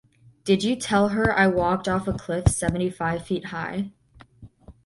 Did you tell her I walked off a cliff seventy-five feet high?